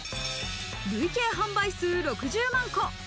累計販売数６０万個。